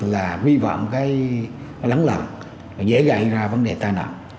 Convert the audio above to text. là vi vọng lắng lầm dễ gãy ra vấn đề tai nạn